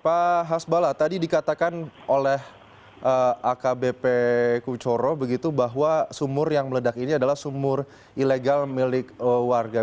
pak hasbala tadi dikatakan oleh akbp kucoro begitu bahwa sumur yang meledak ini adalah sumur ilegal milik warga